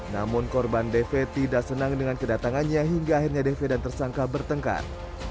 namun korban dv tidak senang dengan kedatangannya hingga akhirnya dv dan tersangka bertengkar